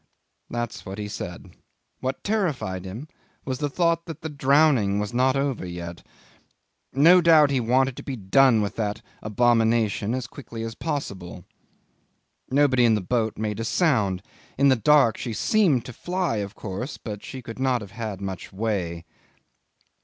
That's what he said. What terrified him was the thought that the drowning was not over yet. No doubt he wanted to be done with that abomination as quickly as possible. Nobody in the boat made a sound. In the dark she seemed to fly, but of course she could not have had much way.